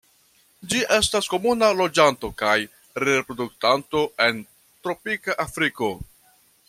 Ĝi estas komuna loĝanto kaj reproduktanto en tropika Afriko.